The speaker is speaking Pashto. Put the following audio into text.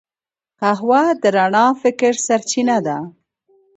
قهوه د رڼا فکر سرچینه ده